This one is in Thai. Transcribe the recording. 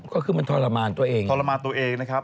ก็คือมันทรมานตัวเองทรมานตัวเองนะครับ